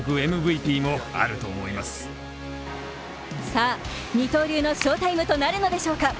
さぁ、二刀流の翔タイムとなるのでしょうか。